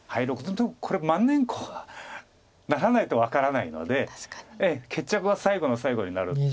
でもこれ万年コウはならないと分からないので決着は最後の最後になる。